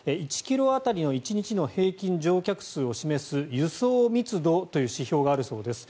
１ｋｍ当たりの１日の平均乗客数を示す輸送密度という指標があるそうです。